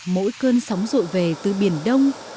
mỗi cơn sóng rội về từ biển đông